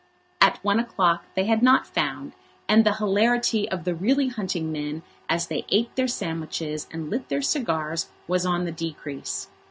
At one o'clock they had not found, and the hilarity of the really hunting men as they ate their sandwiches and lit their cigars was on the decrease.